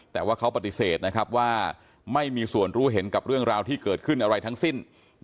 แต่ว่าเขาปฏิเสธนะครับว่าไม่มีส่วนรู้เห็นกับเรื่องราวที่เกิดขึ้นอะไรทั้งสิ้น